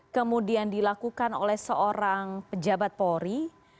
kemudian dilakukan oleh seorang pejabat polri